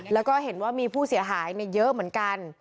แล้วก็เห็นว่ามีผู้เสียหายเยอะเหมือนกัน